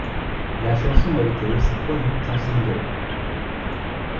La chanson a été aussi produite en single.